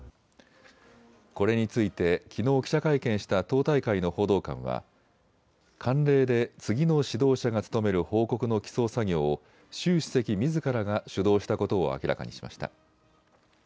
これについてきのう記者会見した党大会の報道官は慣例で次の指導者が務める報告の起草作業を習主席みずからが主導したことを明らかにしました。